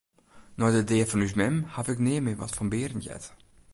Nei de dea fan ús mem haw ik nea mear wat fan Berend heard.